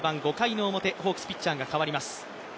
ゲームは中盤、５回の表ホークス、ピッチャーが代わります。